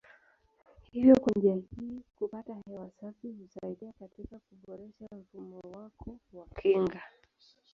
Hivyo kwa njia hii kupata hewa safi husaidia katika kuboresha mfumo wako wa kinga.